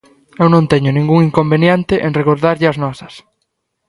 Eu non teño ningún inconveniente en recordarlle as nosas.